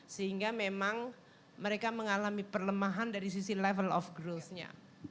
sehingga memang mereka mengalami perlemahan dari sisi level of growth nya